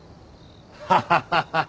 ハハハハ。